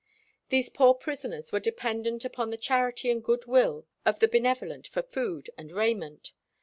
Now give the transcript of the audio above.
These poor prisoners were dependent upon the charity and good will of the benevolent for food and raiment.